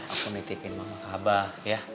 aku nitipin sama ke abah ya